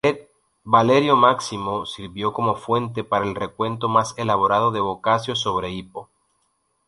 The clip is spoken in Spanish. Valerio Máximo sirvió como fuente para el recuento más elaborado de Boccaccio sobre Hipo.